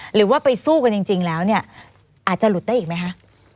หรือว่าไปสู้กันจริงแล้วเนี่ยอาจจะหลุดได้อีกไหมคะ